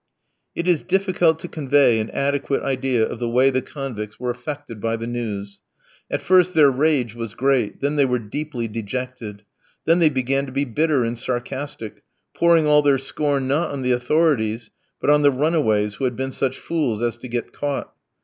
It is difficult to convey an adequate idea of the way the convicts were affected by the news. At first their rage was great, then they were deeply dejected. Then they began to be bitter and sarcastic, pouring all their scorn, not on the authorities, but on the runaways who had been such fools as to get caught.